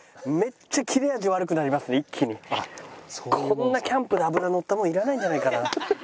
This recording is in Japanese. こんなキャンプで脂のったものいらないんじゃないかな。